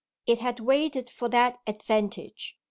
It had waited for that advantage.